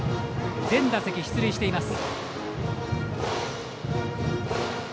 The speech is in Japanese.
全打席、出塁しています。